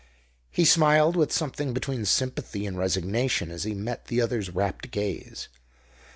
He smiled, with something between sympathy and resignation as he met the other's rapt gaze.